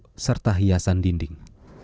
dan perhiasan dinding